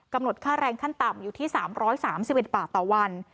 ค่าแรงขั้นต่ำอยู่ที่๓๓๑บาทต่อวัน